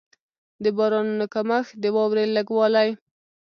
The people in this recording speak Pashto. د بارانونو کمښت، د واورې لږ والی.